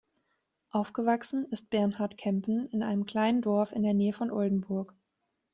Aufgewachsen ist Bernhard Kempen in einem kleinen Dorf in der Nähe von Oldenburg.